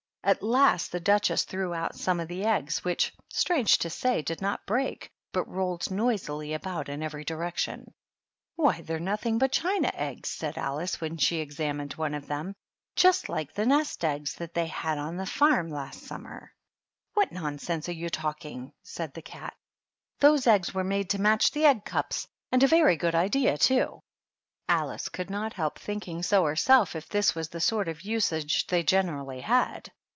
At last the Duchess threw out some of the eggs, which, strange to say, did not break, but rolled noisily about in every direction. THE DUCHESS InD HEB HOUSE. 47 "Why, they're nothing but china eggs," said Alice, when she had examined one of them ; "just like the nest eggs that they had on the farm last summer." What nonsense you are talking 1" said the 48 THE DUCHESS AND HER HOUSE. cat. " Those eggs were made to match the egg cups, and a very good idea, too." Alice could not help thinking so herself, if this was the sort of usage they generally had.